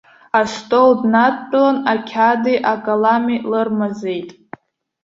Астол днадтәалан, ақьаади акалами лырмазеит.